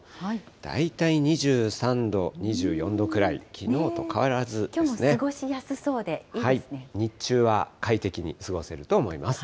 大体２３度、きょうも過ごしやすそうで、日中は快適に過ごせると思います。